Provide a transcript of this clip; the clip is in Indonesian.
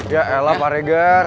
ya elah pak regar